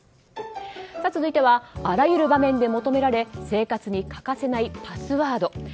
続いてはあらゆる場面で求められ、生活に欠かせないパスワード。